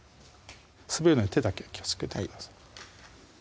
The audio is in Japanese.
滑るので手だけ気をつけてください